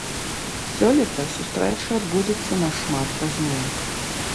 Сёлета сустрэча адбудзецца нашмат пазней.